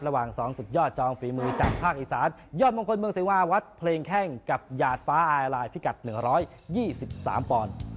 ระหว่างสองศึกยอดจองฝีมือจากภาคอีสานยอดมงคลเมืองสิวาวัฒน์เพลงแข้งกับหยาดฟ้าอายลายด์พิกัดหนึ่งร้อยยี่สิบสามปอนด์